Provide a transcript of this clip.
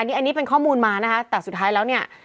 อันนี้เป็นข้อมูลมานะคะแต่สุดท้ายแล้วเนี่ย